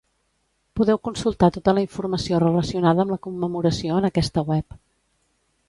Podeu consultar tota la informació relacionada amb la commemoració en aquesta web.